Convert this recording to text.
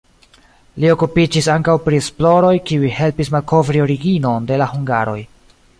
Li okupiĝis ankaŭ pri esploroj, kiuj helpis malkovri originon de la hungaroj.